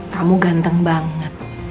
kamu ganteng banget